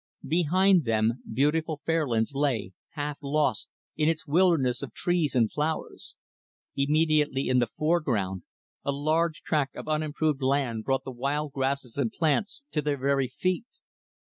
Behind them, beautiful Fairlands lay, half lost, in its wilderness of trees and flowers. Immediately in the foreground, a large tract of unimproved land brought the wild grasses and plants to their very feet.